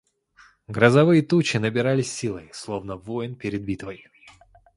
Грозовые тучи набирались силой, словно воин перед битвой.